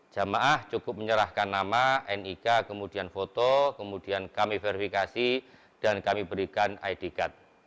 jamaah cukup menyerahkan nama nik kemudian foto kemudian kami verifikasi dan kami berikan id card